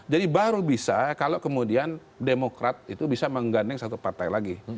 jadi baru bisa kalau kemudian demokrat itu bisa menggandeng satu partai lagi